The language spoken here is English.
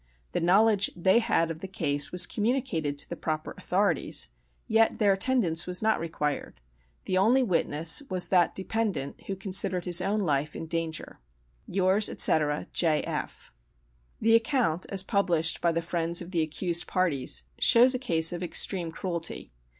The knowledge they had of the case was communicated to the proper authorities, yet their attendance was not required. The only witness was that dependent who considered his own life in danger. "Yours, &c., J. F." The account, as published by the friends of the accused parties, shows a case of extreme cruelty.